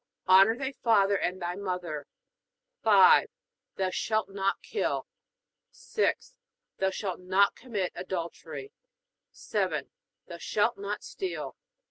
Honor thy father and thy mother. 5. Thou shalt not kill. 6. Thou shalt not commit adultery. 7. Thou shalt not steal.